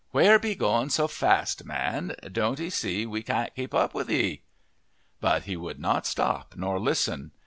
Where be going so fast, man don't 'ee see we can't keep up with 'ee?" But he would not stop nor listen.